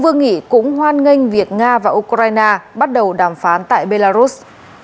vương nghị cũng hoan nghênh việc nga và ukraine bắt đầu đàm phán tại belarus